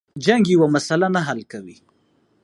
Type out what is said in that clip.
جنگ یوه مسله نه حل کوي.